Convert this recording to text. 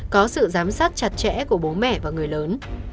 có sự giám sát chặt chẽ của bố mẹ và người lớn